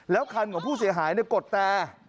แล้วคันของผู้เสียหายกดแต่